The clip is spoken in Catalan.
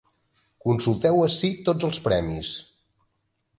Consulteu ací tots els premis.